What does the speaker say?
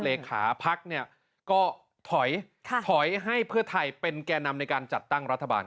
เลขาพักเนี่ยก็ถอยให้เพื่อไทยเป็นแก่นำในการจัดตั้งรัฐบาล